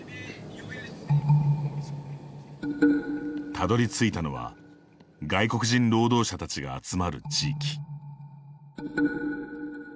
たどり着いたのは外国人労働者たちが集まる地域。